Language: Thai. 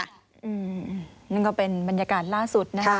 นั่นก็เป็นบรรยากาศล่าสุดนะคะ